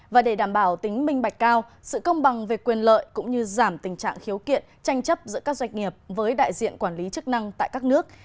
và để đảm bảo tính minh bạch cao sự công bằng về quyền lợi cũng như giảm tình trạng khiếu kiện tranh chấp giữa các doanh nghiệp với đại diện quản lý chức năng tại các nước